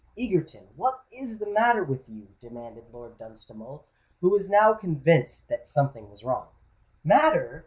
"Egerton, what is the matter with you?" demanded Lord Dunstable, who was now convinced that something was wrong. "Matter!